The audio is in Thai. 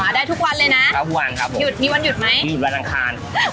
มาได้ทุกวันเลยนะมีวันหยุดไหมหยุดวันอังคารครับผม